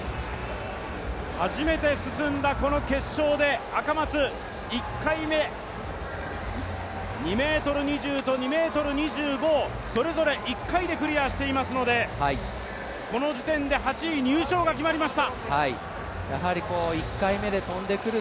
初めて進んだこの決勝で赤松、２ｍ２０と２ｍ２５をそれぞれ１回でクリアしていますので、この時点で８位入賞が決まりま